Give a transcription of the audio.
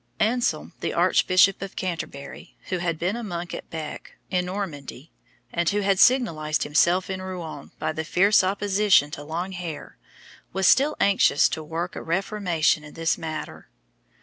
Anselm, the Archbishop of Canterbury, who had been a monk of Bec, in Normandy, and who had signalised himself at Rouen by his fierce opposition to long hair, was still anxious to work a reformation in this matter.